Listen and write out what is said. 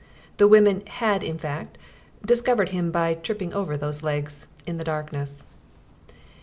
The women had, in fact, discovered him by tripping over those legs in the darkness.